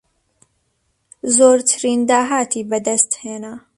زۆرترین داهاتی بەدەستهێنا